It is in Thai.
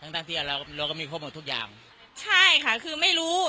ทั้งทั้งที่เราเราก็มีข้อมูลทุกอย่างใช่ค่ะคือไม่รู้